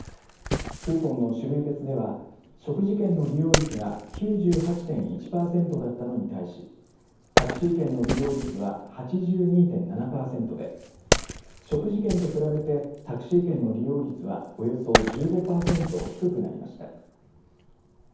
クーポンの種類別では食事券の利用率が９８．１パーセントだったのに対しタクシー県の利用率は８２．７パーセントで食事券と比べてタクシー券の利用率はおよそ１５パーセント低くなりました。